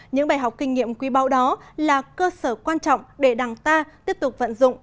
những bài học kinh nghiệm quý báo đó là cơ sở quan trọng để đảng ta tiếp tục vận dụng